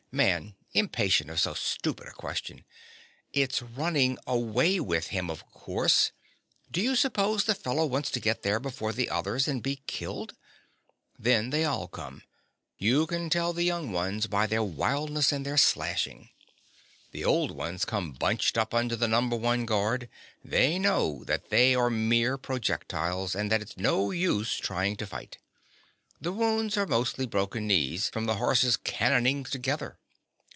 MAN. (impatient of so stupid a question). It's running away with him, of course: do you suppose the fellow wants to get there before the others and be killed? Then they all come. You can tell the young ones by their wildness and their slashing. The old ones come bunched up under the number one guard: they know that they are mere projectiles, and that it's no use trying to fight. The wounds are mostly broken knees, from the horses cannoning together.